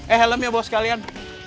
eh helmnya bawa sekalian